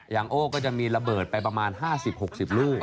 โอ้ก็จะมีระเบิดไปประมาณ๕๐๖๐ลูก